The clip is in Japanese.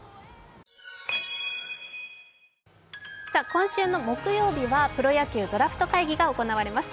今週の木曜日はプロ野球ドラフト会議が行われます。